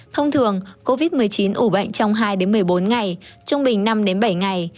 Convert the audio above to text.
thông thường covid một mươi chín ủ bệnh trong hai một mươi bốn ngày trung bình năm bảy ngày